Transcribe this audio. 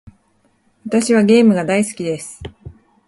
私はゲームが大好きです。